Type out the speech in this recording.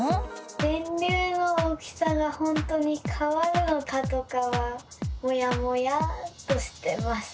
電流の大きさがほんとにかわるのかとかはモヤモヤっとしてます。